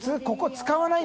使わない。